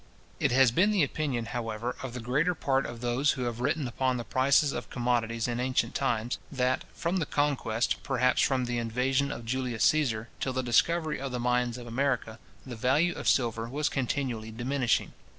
It has been the opinion, however, of the greater part of those who have written upon the prices of commodities in ancient times, that, from the Conquest, perhaps from the invasion of Julius Caesar, till the discovery of the mines of America, the value of silver was continually diminishing.